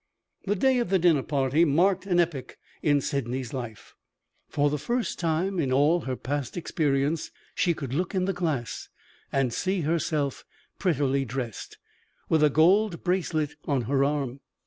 The day of the dinner party marked an epoch in Sydney's life. For the first time, in all her past experience, she could look in the glass, and see herself prettily dressed, with a gold bracelet on her arm.